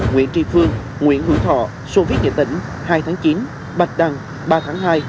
nguyễn tri phương nguyễn hữu thọ sô viết nghệ tỉnh hai tháng chín bạch đăng ba tháng hai